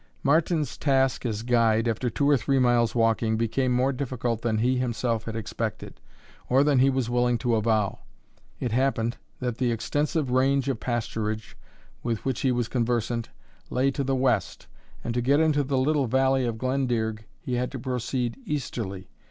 Martin's task as guide, after two or three miles' walking, became more difficult than he himself had expected, or than he was willing to avow. It happened that the extensive range of pasturage, with which he was conversant, lay to the west, and to get into the little valley of Glendearg he had to proceed easterly.